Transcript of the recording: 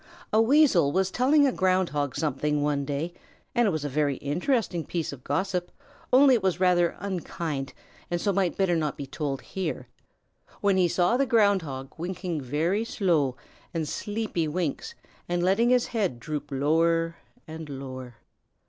A Weasel was telling a Ground Hog something one day and it was a very interesting piece of gossip, only it was rather unkind, and so might better not be told here when he saw the Ground Hog winking very slow and sleepy winks and letting his head droop lower and lower.